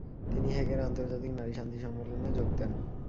তিনি হেগের আন্তর্জাতিক নারী শান্তি সম্মেলনে যোগ দেন।